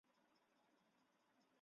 首尔民众对此赞不绝口。